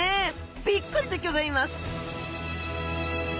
びっくりでギョざいます！